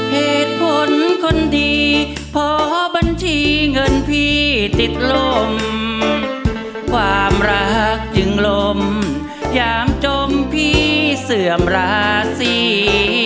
เหตุผลคนดีพอบัญชีเงินพี่ติดลมความรักจึงลมยามจมพี่เสื่อมราศี